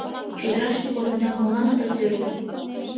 — Чодыраште корныдам молан ода тӧрлӧ?